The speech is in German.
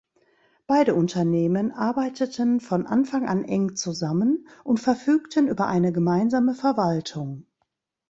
Beide Unternehmen arbeiteten von Anfang an eng zusammen und verfügten über eine gemeinsame Verwaltung.